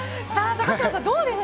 高嶋さん、どうでした？